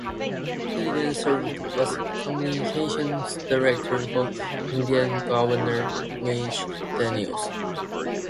He then served as the communications director for Indiana Governor Mitch Daniels.